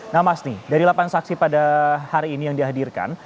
nah masni dari delapan saksi pada hari ini yang dihadirkan